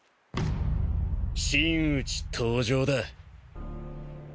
真打ち登場だ。